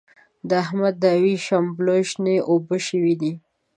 د احمد دوی شلومبې شنې اوبه شوې دي.